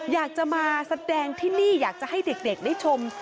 อยากจะมาแสดงที่นี่อยากจะให้เด็กได้ชม